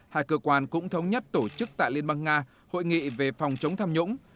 hai cơ quan cũng thống nhất tổ chức tại liên bang nga hội nghị về phòng chống tham nhũng